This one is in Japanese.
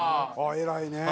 偉いね！